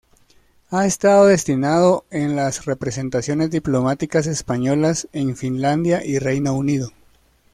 Ha estado destinado en las representaciones diplomáticas españolas en Finlandia y Reino Unido.